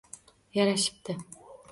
Yarashibti!